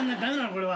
これは。